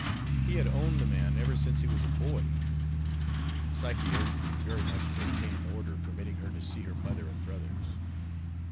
He had owned the man ever since he was a boy. Psyche urged me very much to obtain an order permitting her to see her mother and brothers.